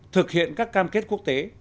thực hiện các cam kết quốc tế